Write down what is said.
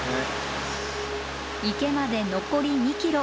池まで残り２ｋｍ。